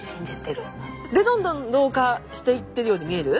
でどんどん老化していってるように見える。